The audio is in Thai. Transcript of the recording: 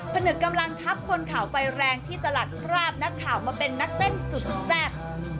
ผนึกกำลังทับคนข่าวไฟแรงที่สลัดคราบนักข่าวมาเป็นนักเต้นสุดแซ่บ